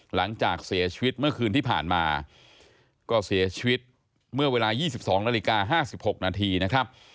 หลังจากเสียชีวิตเมื่อคืนที่ผ่านมาก็เสียชีวิตเมื่อเวลา๒๒นาฬิกา๕๖นาทีนะครับ